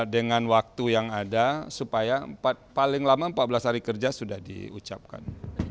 dengan waktu yang ada supaya paling lama empat belas hari kerja sudah diucapkan